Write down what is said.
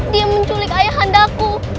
dia menculik ayah handaku